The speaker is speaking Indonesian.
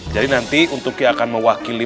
jadi nanti untuk yang akan mewakili